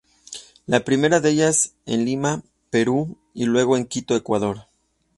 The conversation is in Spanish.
La primera de ellas en Lima, Perú, y luego en Quito, Ecuador.